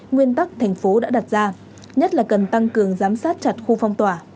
nguyên tắc thành phố đã đặt ra nhất là cần tăng cường giám sát chặt khu phong tỏa